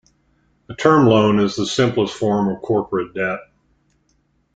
A term loan is the simplest form of corporate debt.